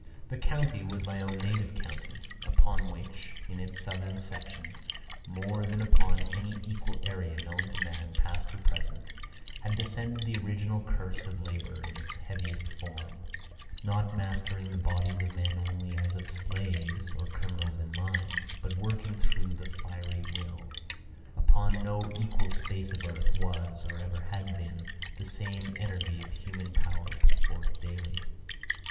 The county was my own native county upon which, in its southern section, more than upon any equal area known to man past or present, had descended the original curse of labour in its heaviest form, not mastering the bodies of men only as of slaves, or criminals in mines, but working through the fiery will. Upon no equal space of earth, was, or ever had been, the same energy of human power put forth daily.